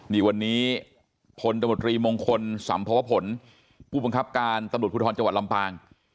นี่วันนี้พตมงคลสพผู้ปังคับการตพฐจลำปาง